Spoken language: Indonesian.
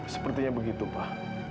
sepertinya begitu pak